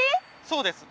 そうです。